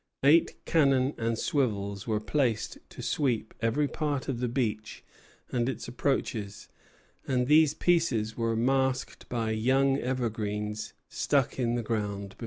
Eight cannon and swivels were planted to sweep every part of the beach and its approaches, and these pieces were masked by young evergreens stuck in the ground before them.